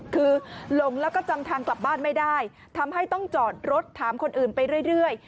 คือหลงแล้วก็จำทางกลับบ้านไม่ได้ทำให้ต้องจอดรถถามคนอื่นไปเรื่อย